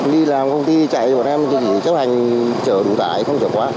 đi làm công ty chạy cho bọn em thì chỉ chấp hành chở đủ tải không chở quá